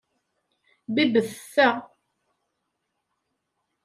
Bibbet ta.